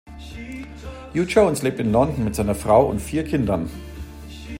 Hugh Jones lebt in London mit seiner Frau und vier Kindern.